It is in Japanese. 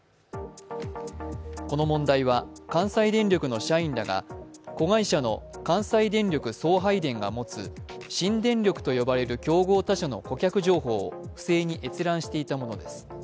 この問題は関西電力の社員らが子会社の関西電力送配電が持つ新電力と呼ばれる競合他社の顧客情報を不正に閲覧していたものです。